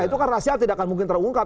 itu kan rasial tidak akan mungkin terungkap